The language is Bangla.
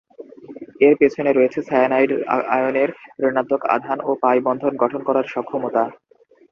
এর পেছনে রয়েছে সায়ানাইড আয়নের ঋণাত্মক আধান ও পাই বন্ধন গঠন করার সক্ষমতা।